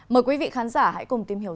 mời quý vị khán giả hãy cùng tìm hiểu